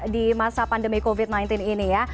di masa pandemi covid sembilan belas ini ya